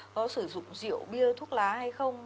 có sử dụng rượu bia thuốc lá hay không